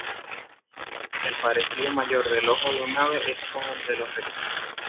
El parecido mayor del ojo de un ave es con el de los reptiles.